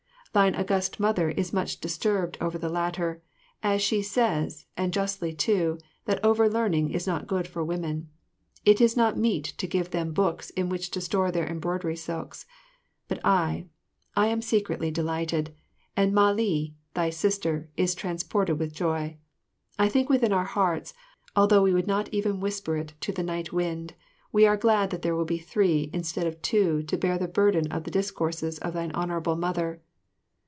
Thine August Mother is much disturbed over the latter, as she says, and justly too, that over learning is not good for women. It is not meet to give them books in which to store their embroidery silks. But I I am secretly delighted, and Mah li, thy sister, is transported with joy. I think within our hearts, although we would not even whisper it to the night wind, we are glad that there will be three instead of two to bear the burden of the discourses of thine Honourable Mother.